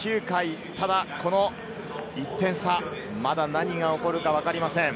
ただ１点差、まだ何が起こるかわかりません。